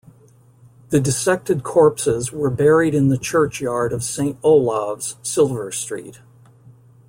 The dissected corpses were buried in the churchyard of Saint Olave's, Silver Street.